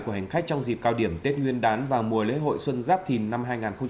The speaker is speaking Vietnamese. của hành khách trong dịp cao điểm tết nguyên đán và mùa lễ hội xuân giáp thìn năm hai nghìn hai mươi bốn